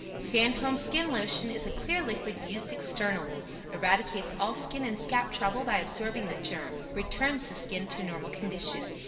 SANDHOLM'S SKIN LOTION is a clear liquid used externally. Eradicates all skin and scalp trouble by absorbing the germ returns the skin to normal condition.